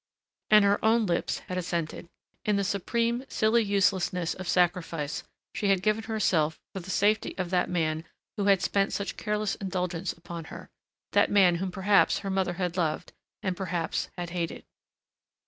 And her own lips had assented. In the supreme, silly uselessness of sacrifice she had given herself for the safety of that man who had spent such careless indulgence upon her ... that man whom perhaps her mother had loved and perhaps had hated....